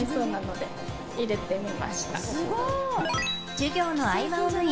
授業の合間を縫い